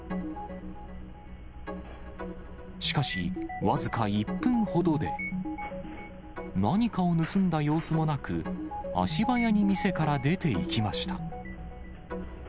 しかし、僅か１分ほどで、何かを盗んだ様子もなく、足早に店から出ていきました。